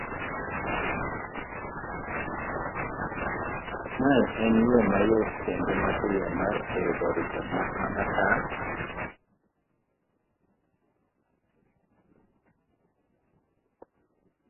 Mae en yo mayot kendo mapiyo mar oro barupe, mak mana ka